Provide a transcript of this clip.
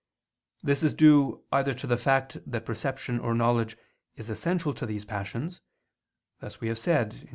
This is due either to the fact that perception or knowledge is essential to these passions (thus we have said, Q.